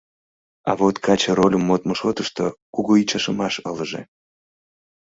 А вот каче рольым модмо шотышто кугу ӱчашымаш ылыже.